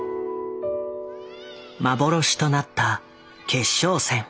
幻となった決勝戦。